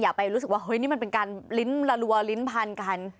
อย่าไปรู้สึกว่าเฮ้ยนี่มันเป็นการลิ้นละรัวลิ้นพันกัน